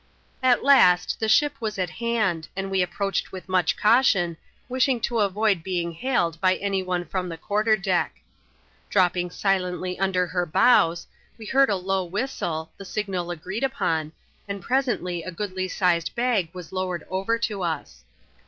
At last, the ship was at hand, and we approached with mn^ caution, wishing to avoid being hailed by any one from the quarter deck. Dropping silently under her bows, we heard* low whistle — the signal agreed upon — and presently a goodly sized bag was lowered over to us.